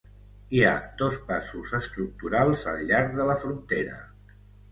Hi ha dos passos estructurals al llarg de la frontera.